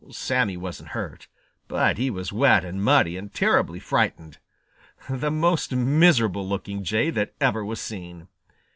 Sammy wasn't hurt, but he was wet and muddy and terribly frightened, the most miserable looking Jay that ever was seen.